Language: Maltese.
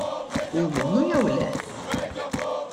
Hu minnu jew le?